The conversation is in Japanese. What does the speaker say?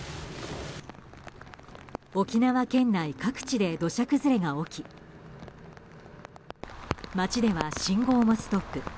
沖縄県内各地で土砂崩れが起き街では信号もストップ。